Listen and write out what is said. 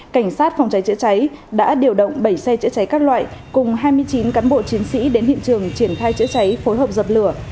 cảnh sát phòng cháy chữa cháy đã điều động bảy xe chữa cháy các loại cùng hai mươi chín cán bộ chiến sĩ đến hiện trường triển khai chữa cháy phối hợp dập lửa